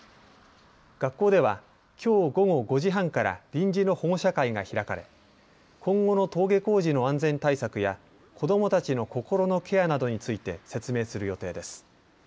学校ではきょう午後５時半から臨時の保護者会が開かれ今後の登下校時の安全対策や子どもたちの心のケアなどについて説明する予定です。